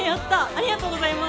ありがとうございます。